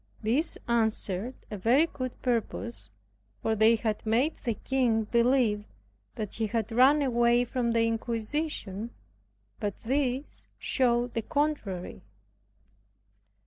This answered a very good purpose; for they had made the king believe that he had run away from the inquisition; but this showed the contrary.